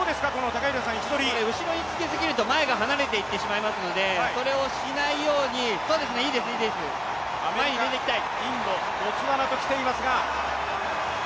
後ろにつけすぎると、前が離れていってしまいますので、それをしないように、いいですね、いいです、前に出てきたい。